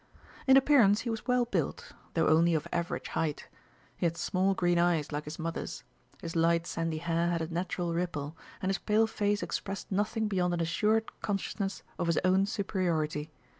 In appearance he was well built, though only of average height. He had small green eyes like his mother's; his light sandy hair had a natural ripple, and his pale face expressed nothing beyond an assured consciousness of his own superiority.